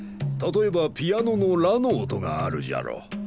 例えばピアノのラの音があるじゃろ。